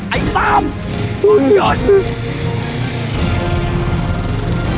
ไอ้ต้มทุกคนอย่าถึง